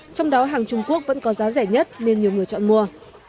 trong đó hàng trung quốc vẫn có giá rẻ nhất nên nhiều người chọn mua